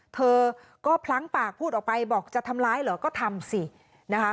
เธอก็พลั้งปากพูดออกไปบอกจะทำร้ายเหรอก็ทำสินะคะ